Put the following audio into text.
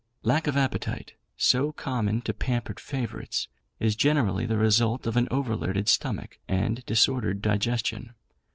Lack of appetite, so common to pampered favourites, is generally the result of an overloaded stomach and disordered digestion.